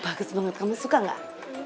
bagus banget kamu suka gak